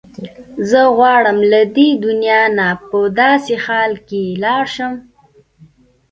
زه غواړم له دې دنیا نه په داسې حال کې لاړه شم.